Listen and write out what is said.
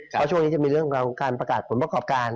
เพราะช่วงนี้จะมีเรื่องของการประกาศผลประกอบการ